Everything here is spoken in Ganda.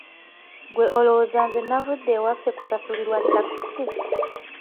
Ggwe olowooza nti nze navudde ewaffe kusasulirwa takisi?